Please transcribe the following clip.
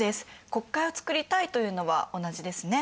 国会を作りたいというのは同じですね。